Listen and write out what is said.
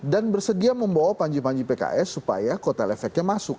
dan bersedia membawa panji panji pks supaya kotel efeknya masuk